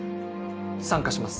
参加します。